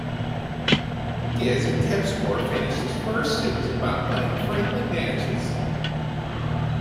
Gaziantepspor finished its first season by playing friendly matches.